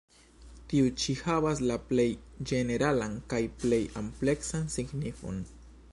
Tiu ĉi havas la plej ĝeneralan kaj plej ampleksan signifon.